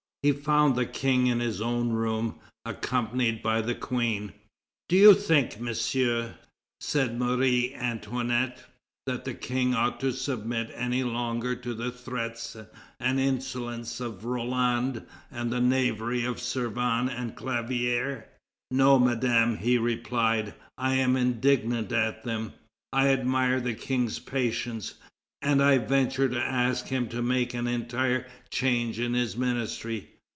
He found the King in his own room, accompanied by the Queen. "Do you think, Monsieur," said Marie Antoinette, "that the King ought to submit any longer to the threats and insolence of Roland and the knavery of Servan and Clavière?" "No, Madame," he replied; "I am indignant at them; I admire the King's patience, and I venture to ask him to make an entire change in his ministry.